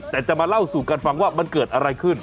แต่จะมาเล่าสู่กันฟังว่ามันเกิดอะไรขึ้น